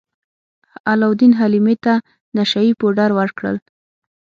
علاوالدین حلیمې ته نشه يي پوډر ورکړل.